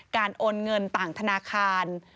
โอนเงินต่างธนาคาร